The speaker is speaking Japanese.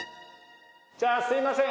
じゃあすいません。